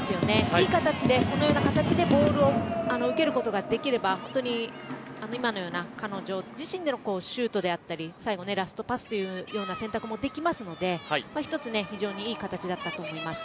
いい形で、このような形でボールを受けることができれば本当に今のような彼女自身でのシュートであったり最後、ラストパスという選択もできますので一つ、非常にいい形だったと思います。